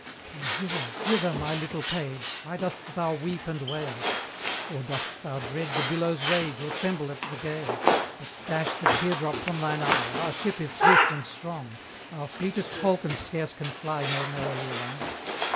'Come hither, hither, my little page: Why dost thou weep and wail? Or dost thou dread the billow's rage, Or tremble at the gale? But dash the tear drop from thine eye, Our ship is swift and strong; Our fleetest falcon scarce can fly More merrily along.'